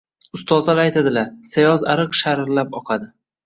Ustoz aytadilar: “Sayoz ariq sharillab oqadi.